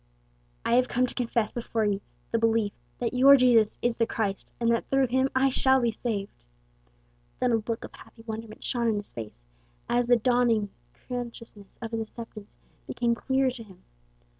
"I have come to confess before you the belief that your Jesus is the Christ, and that through him I shall be saved." Then a look of happy wonderment shone in his face, as the dawning consciousness of his acceptance became clearer to him.